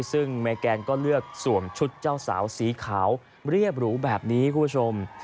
ซึ่งเมแกนก็เลือกสวมชุดเจ้าสาวสีขาวเรียบหรูแบบนี้คุณผู้ชม